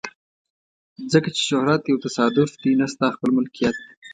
ځکه چې شهرت یو تصادف دی نه ستا خپله ملکیت.